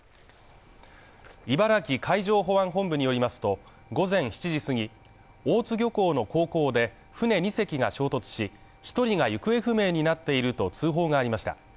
茨城海上保安本部によりますと、午前７時すぎ、大津漁港の港口で船２隻が衝突し、１人が行方不明になっていると通報がありました。